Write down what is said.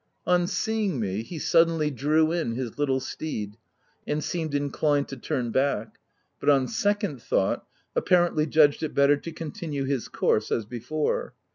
On see ing me, he suddenly drew in his little steed, and seemed inclined to turn back, but on second thought, apparently judged it better to continue his course as before.